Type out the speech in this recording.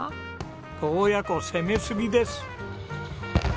洞爺湖攻めすぎです！